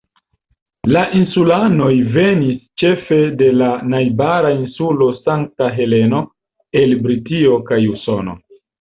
La insulanoj venis ĉefe de la najbara insulo Sankta Heleno, el Britio kaj Usono.